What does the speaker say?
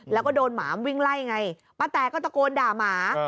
แล้วก็โดนหมามันวิ่งไล่ไงป้าแตก็ตะโกนด่าหมา